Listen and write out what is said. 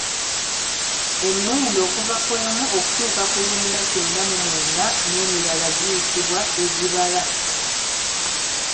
Emiwendo okuva ku emu okutuuka ku lwenda kyenda mu mwenda n'emirala giyitibwa egibala.